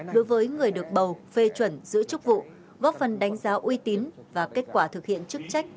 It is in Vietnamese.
đối với người được bầu phê chuẩn giữ chức vụ góp phần đánh giá uy tín và kết quả thực hiện chức trách